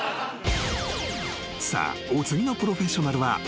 ［さあお次のプロフェッショナルは］